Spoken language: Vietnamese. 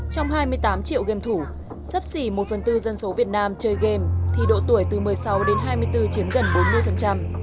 trong hai mươi tám triệu game thủ sấp xỉ một phần tư dân số việt nam chơi game thì độ tuổi từ một mươi sáu đến hai mươi bốn chiếm gần bốn mươi